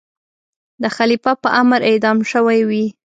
د خلیفه په امر اعدام شوی وي.